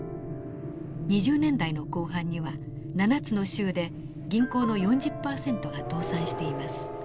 ２０年代の後半には７つの州で銀行の４０％が倒産しています。